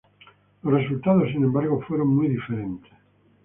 Los resultados sin embargo fueron muy diferentes.